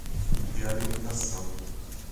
Realimentação